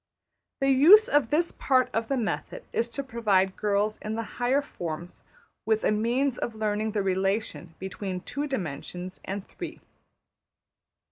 The use of this part of the method is to provide girls in the higher forms with a means of learning the relation between two dimensions and three.